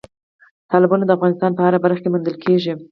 تالابونه د افغانستان په هره برخه کې موندل کېدای شي.